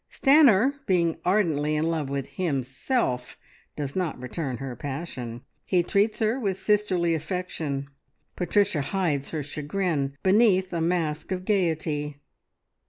Stanor being ardently in love with himself, does not return her passion. He treats her with sisterly affection. Patricia hides her chagrin beneath a mask of gaiety.